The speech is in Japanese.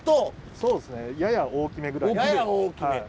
そうですねやや大きめぐらい。